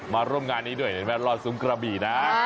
มาร่วมงานนี้ด้วยรอดซุ้มกระบี่นะ